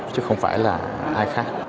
chứ không phải là ai khác